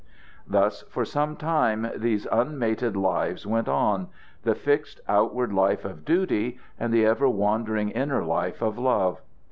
Thus for some time these unmated lives went on the fixed outward life of duty, and the ever wandering inner life of love.